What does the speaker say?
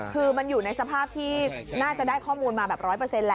คือมันอยู่ในสภาพที่น่าจะได้ข้อมูลมาแบบ๑๐๐แล้ว